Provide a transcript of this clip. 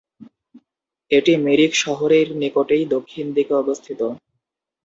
এটি মিরিক শহরের নিকটেই দক্ষিণ দিকে অবস্থিত।